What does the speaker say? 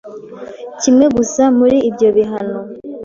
kimwe gusa muri ibyo bihano.